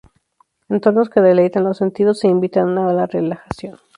Entornos que deleitan los sentidos e invitan a la relajación.